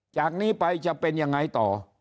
จากนี้ไปจะเป็นยังไงต่อ